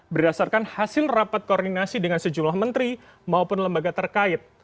berdasarkan hasil rapat koordinasi dengan sejumlah menteri maupun lembaga terkait